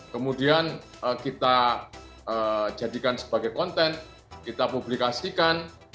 kemudian kita jadikan sebagai konten kita publikasikan